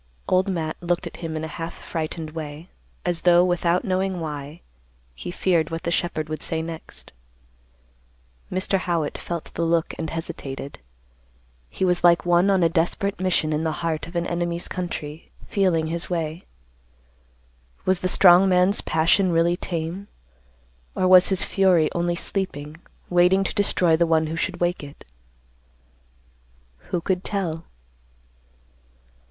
Old Matt looked at him in a half frightened way, as though, without knowing why, he feared what the shepherd would say next. Mr. Howitt felt the look and hesitated. He was like one on a desperate mission in the heart of an enemy's country, feeling his way. Was the strong man's passion really tame? Or was his fury only sleeping, waiting to destroy the one who should wake it? Who could tell?